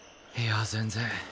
いや全然。